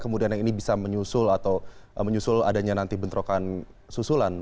kemudian yang ini bisa menyusul atau menyusul adanya nanti bentrokan susulan